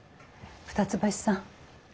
二ツ橋さん。